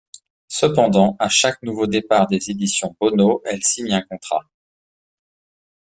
Cependant, à chaque nouveau départ des éditions Bonnot, elle signe un contrat.